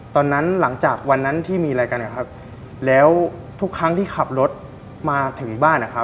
ตอนนั้นหลังจากวันนั้นที่มีอะไรกันครับแล้วทุกครั้งที่ขับรถมาถึงบ้าน